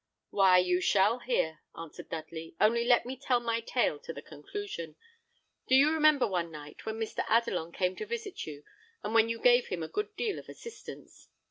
"Why, you shall hear," answered Dudley; "only let me tell my tale to the conclusion. Do you remember one night when Mr. Adelon came to visit you, and when you gave him a good deal of assistance?"